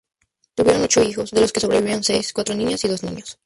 Tuvieron ocho hijos de los que sobrevivieron seis, cuatro niñas y dos niños.